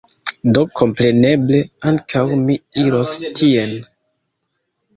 Do, kompreneble, ankaŭ mi iros tien